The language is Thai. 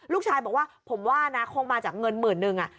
ลูกชายบอกว่าผมว่านะคงมาจากเงินหมื่นนึง